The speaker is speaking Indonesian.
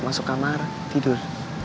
masuk kamar tidur